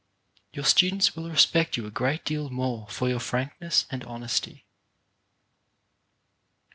Your students will respect you a great deal more for your frankness and honesty.